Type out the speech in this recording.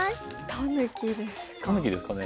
タヌキですかね。